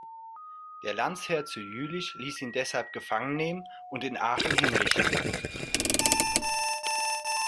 Der Landesherr zu Jülich ließ ihn deshalb gefangen nehmen und in Aachen hinrichten.